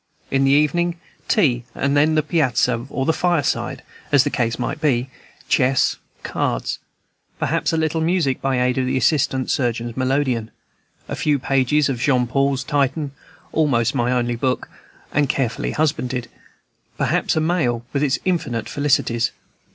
In the evening, tea; and then the piazza or the fireside, as the case might be, chess, cards, perhaps a little music by aid of the assistant surgeon's melodeon, a few pages of Jean Paul's "Titan," almost my only book, and carefully husbanded, perhaps a mail, with its infinite felicities.